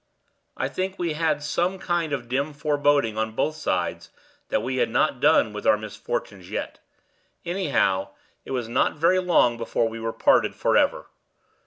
"I think we had some kind of dim foreboding on both sides that we had not done with our misfortunes yet; anyhow, it was not very long before we were parted forever.